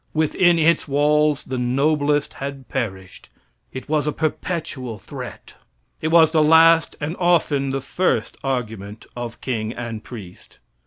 Within its walls the noblest had perished. It was a perpetual threat. It was the last and often the first argument of king and priest.